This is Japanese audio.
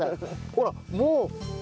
ほらもうね